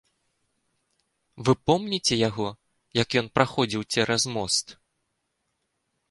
Вы помніце яго, як ён праходзіў цераз мост?